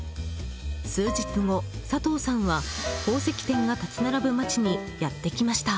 数日後、佐藤さんは宝石店が立ち並ぶ街にやってきました。